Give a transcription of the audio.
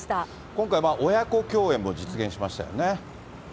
今回、親子共演も実現しましたよね。